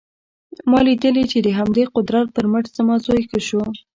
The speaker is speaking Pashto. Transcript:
ما لیدلي چې د همدې قدرت پر مټ زما زوی ښه شو